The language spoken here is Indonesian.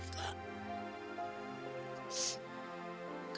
kerit banget sih